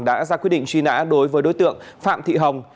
đã ra quyết định truy nã đối với đối tượng phạm thị hồng